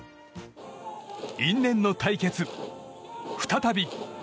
因縁の対決、再び。